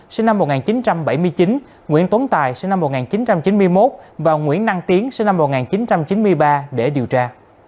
sinh năm một nghìn chín trăm bảy mươi chín nguyễn tuấn tài sinh năm một nghìn chín trăm chín mươi một và nguyễn năng tiến sinh năm một nghìn chín trăm chín mươi ba để điều tra